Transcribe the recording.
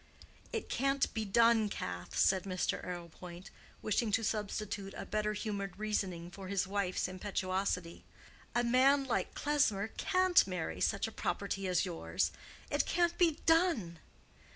"It can't be done, Cath," said Mr. Arrowpoint, wishing to substitute a better humored reasoning for his wife's impetuosity. "A man like Klesmer can't marry such a property as yours. It can't be done."